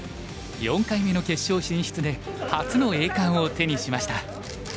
４回目の決勝進出で初の栄冠を手にしました。